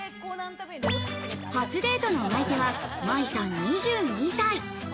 初デートのお相手は茉依さん、２２歳。